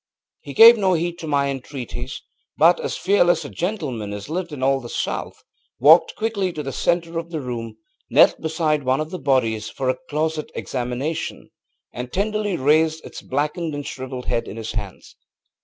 ŌĆÖ ŌĆ£He gave no heed to my entreaties, but (as fearless a gentleman as lived in all the South) walked quickly to the center of the room, knelt beside one of the bodies for a closer examination and tenderly raised its blackened and shriveled head in his hands.